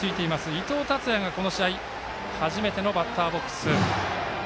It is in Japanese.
伊藤達也が、この試合初めてのバッターボックス。